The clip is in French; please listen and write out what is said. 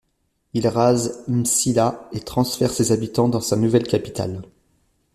Il rase M'Sila et transfère ses habitants dans sa nouvelle capitale.